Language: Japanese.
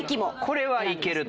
これはいけると。